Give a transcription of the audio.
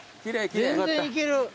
全然いける。